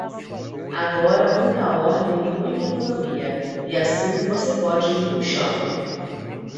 Agora muita ordem e muita economia, e assim você pode ir puxando.